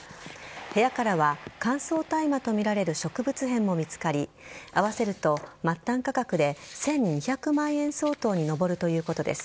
部屋からは乾燥大麻とみられる植物片も見つかり合わせると、末端価格で１２００万円相当に上るということです。